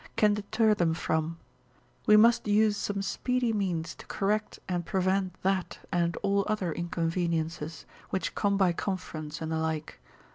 can deter them from; we must use some speedy means to correct and prevent that, and all other inconveniences, which come by conference and the like.